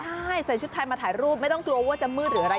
ใช่ใส่ชุดไทยมาถ่ายรูปไม่ต้องกลัวว่าจะมืดหรืออะไร